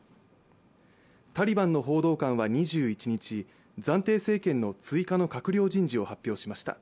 タリバンの報道官は２１日、暫定政権の追加の閣僚人事を発表しました。